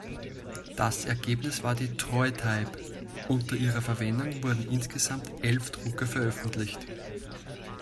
Das Ergebnis war die „Troy-Type“; unter ihrer Verwendung wurden insgesamt elf Drucke veröffentlicht.